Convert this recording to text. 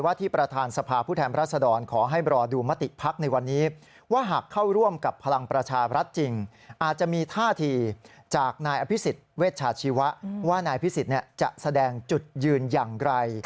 ว่านายอภิษฎิเวชาชีวะว่านายพิษฎิเวชาชีวะจะแสดงจุดยืนอย่างไร